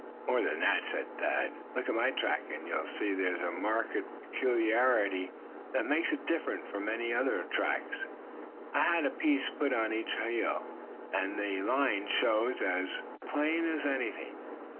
"More than that," said Thad, "look at my track, and you'll see there's a marked peculiarity that makes it different from any other. I had a piece put on each heel, and the line shows as plain as anything.